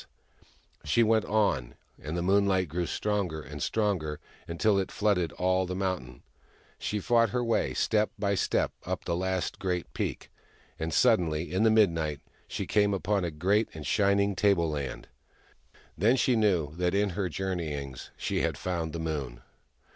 So she went on, and the moonlight grew stronger and stronger, until it flooded all the mountain. She fought her way, step by step, up the last great peak. And, suddenly, in the midnight, she came out upon a great and shining tableland : then she knew that in her journeyings she had found the Moon